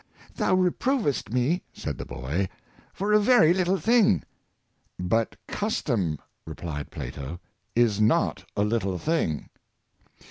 ^'Thou reprovest me," said the boy, '' for a very little thing." ^' But custom," replied Plato, " is not a little thing."